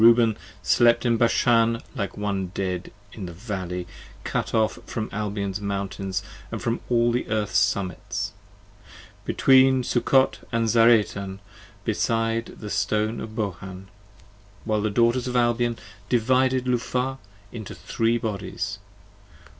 Reuben slept in Bashan like one dead, in the Valley, Cut off from Albion's mountains & from all the Earth's summits, 45 Between Succoth & Zaretan beside the Stone of Bohan ; While the Daughters of Albion divided Luvah into three Bodies.